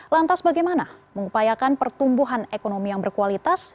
lantas bagaimana mengupayakan pertumbuhan ekonomi yang berkualitas